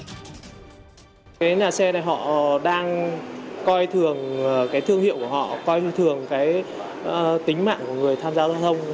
nhà xe này họ đang coi thường thương hiệu của họ coi thường tính mạng của người tham gia giao thông